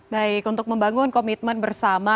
baik untuk membangun komitmen bersama